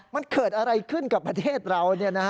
มันเกิดอะไรขึ้นกับประเทศเรา